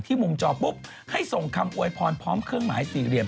มุมจอปุ๊บให้ส่งคำอวยพรพร้อมเครื่องหมายสี่เหลี่ยม